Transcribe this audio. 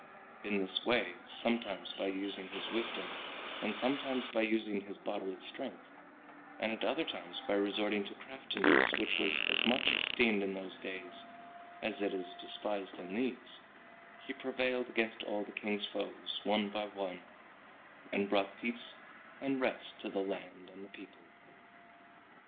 In this way, sometimes by using his wisdom and sometimes by using his bodily strength, and at other times by resorting to craftiness, which was as much esteemed in those days as it is despised in these, he prevailed against all the King's foes one by one, and brought peace and rest to the land and the people.